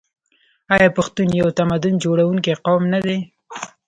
آیا پښتون یو تمدن جوړونکی قوم نه دی؟